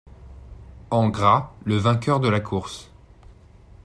En gras le vainqueur de la course.